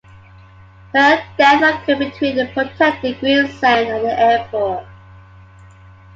Her death occurred between the protected Green Zone and the airport.